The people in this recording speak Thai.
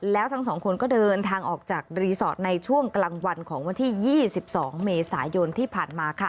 แล้วทั้งสองคนก็เดินทางออกจากรีสอร์ทในช่วงกลางวันของวันที่๒๒เมษายนที่ผ่านมาค่ะ